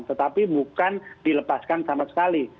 tetapi bukan dilepaskan sama sekali